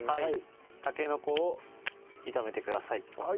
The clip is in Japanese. たけのこを炒めてください。